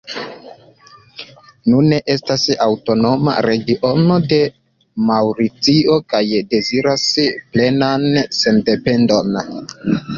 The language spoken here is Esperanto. Nune estas aŭtonoma regiono de Maŭricio, kaj deziras plenan sendependon.